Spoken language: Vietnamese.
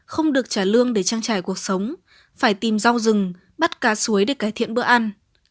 không được trả lương để trang trải cuộc sống phải tìm rau rừng bắt cá suối để cải thiện bữa ăn